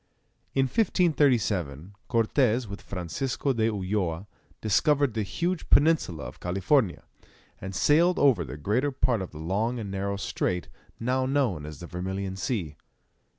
[Illustration: Map of North West America.] In 1537, Cortes with Francisco de Ulloa, discovered the huge peninsula of California, and sailed over the greater part of the long and narrow strait now known as the Vermilion Sea.